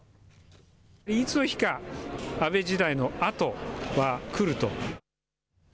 いつの日か、安倍時代のあとは来ると。